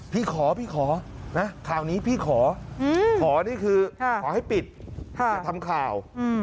พี่ขอขอขอนี่คือขอให้ปิดอย่าทำข่าว